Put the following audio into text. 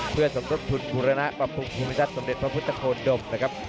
เพื่อสนทบทุนกุรณะปรับปรุงคุมิตรสำเร็จพระพุทธโคนดมนะครับ